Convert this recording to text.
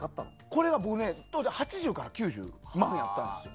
これは当時８０から９０万円やったんですよ。